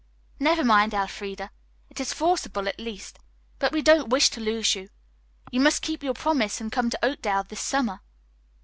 "Never mind, Elfreda. It is forcible at least. But we don't wish to lose you. You must keep your promise and come to Oakdale this summer."